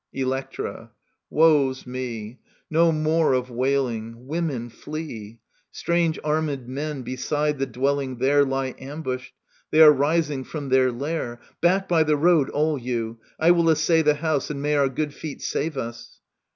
Electra. Woe's me I No more of wailing ! Women, flee ! Strange armid men beside the dwelling there Lie ambushed ! They are rising from their lair. Back by the road, all you. I will essay The house ; and may our good feet save us